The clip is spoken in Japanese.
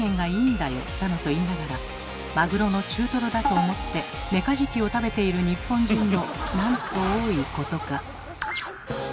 だのと言いながらマグロの中トロだと思ってメカジキを食べている日本人のなんと多いことか。